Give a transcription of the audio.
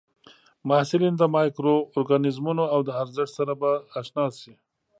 محصلین د مایکرو ارګانیزمونو او د ارزښت سره به اشنا شي.